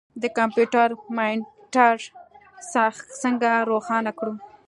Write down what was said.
د کمپیوټر مانیټر څنګه روښانه کړو.